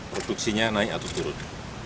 produksinya naik atau turun